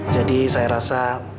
jadi saya rasa